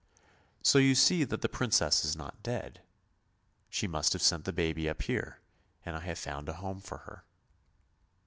" So you see that the Princess is not dead; she must have sent the baby up here, and I have found a home for her."